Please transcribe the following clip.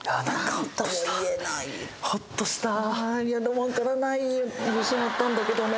ホッとしたいやでもわからない自信あったんだけどね